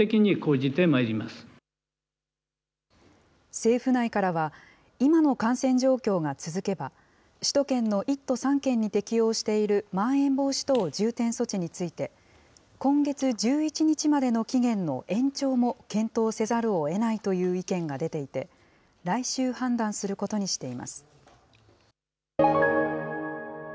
政府内からは、今の感染状況が続けば、首都圏の１都３県に適用しているまん延防止等重点措置について、今月１１日までの期限の延長も検討せざるをえないという意見が出ていて、来週判断することにしています。